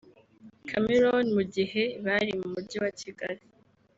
Chameleone mu gihe bari mu Mujyi wa Kigali